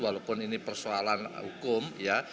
walaupun ini persoalan hukum